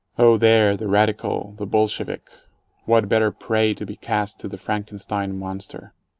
Oh, there, the radical, the Bolshevik! What better prey to be cast to the Frankenstein monster?